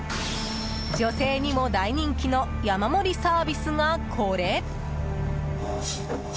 女性にも大人気の山盛りサービスが、これ。